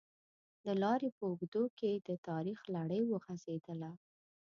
د لارې په اوږدو کې د تاریخ لړۍ وغزېدله.